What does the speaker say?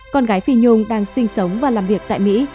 con gái phi nhung đang sinh sống và làm việc tại mỹ